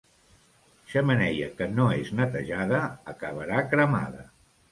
Xemeneia que no és netejada acabarà cremada.